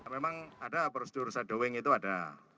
memang ada prosedur sidowing itu ada